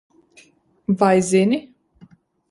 Vai zini?